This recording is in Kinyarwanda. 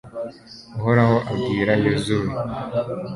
uhoraho abwira yozuwe